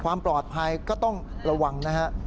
ความปลอดภัยก็ต้องระวังนะฮะ